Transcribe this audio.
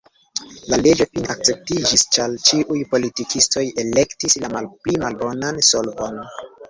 La leĝo fine akceptiĝis, ĉar ĉiuj politikistoj elektis la malpli malbonan solvon.